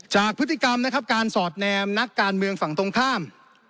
จากพฤติกรรมนะครับการสอดแนมนักการเมืองฝั่งตรงข้าม